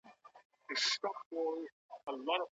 که پيغورونه نه وای ژوند به ښه و.